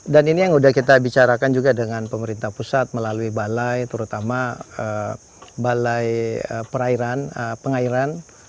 ini yang sudah kita bicarakan juga dengan pemerintah pusat melalui balai terutama balai pengairan